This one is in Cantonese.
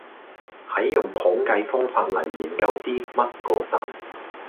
喺用統計方法嚟研究啲乜嗰陣